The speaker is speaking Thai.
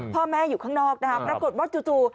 พ่อแม่อยู่ข้างนอกนะคะปรากฏว่าจู่